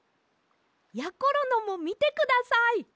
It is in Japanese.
やころのもみてください！